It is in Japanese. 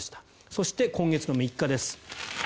そして、今月の３日です。